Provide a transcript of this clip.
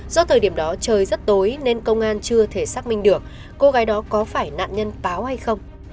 do thời điểm đó trời rất tối nên công an chưa thể xác minh được cô gái đó có phải nạn nhân táo hay không